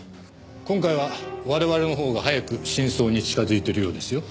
今回は我々のほうが早く真相に近づいてるようですよ。